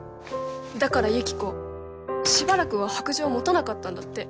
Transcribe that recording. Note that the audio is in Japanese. だからユキコしばらくは白杖持たなかったんだって。